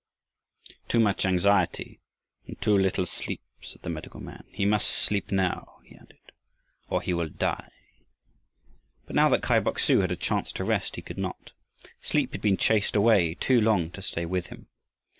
"Too much anxiety and too little sleep," said the medical man. "He must sleep now," he added, "or he will die." But now that Kai Bok su had a chance to rest, he could not. Sleep had been chased away too long to stay with him.